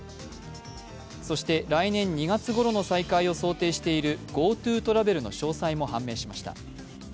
そして来年２月ごろの再開を想定しているＧｏＴｏトラベルの詳細も判明しました。